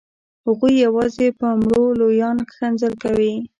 هغوی یوازې په مړو لویان ښکنځل کوي.